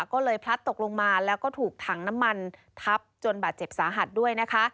ก็เลยพลัดตกลงมาแล้วก็ถูกถังน้ำมันทับจนบาดเจ็บสาหัสด้วยนะคะ